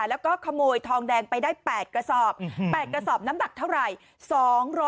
แล้วก็ขโมยทองแดงไปได้๘กระสอบ๘กระสอบน้ำหนักเท่าไหร่